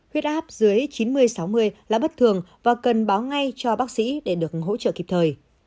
huyết áp dưới chín mươi sáu mươi là bất thường và cần báo ngay cho bác sĩ để được hỗ trợ kịp thời